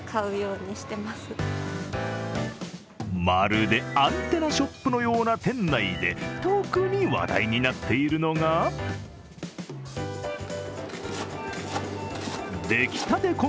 まるでアンテナショップのような店内で特に話題になっているのが出来たて